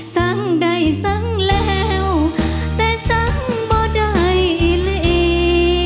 สังใดสังแล้วแต่สังบ่ได้เล